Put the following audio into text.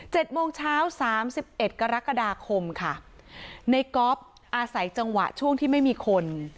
โมงเช้าสามสิบเอ็ดกรกฎาคมค่ะในก๊อฟอาศัยจังหวะช่วงที่ไม่มีคน